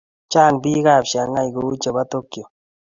chang biikab Shangai kou chebo Tokyo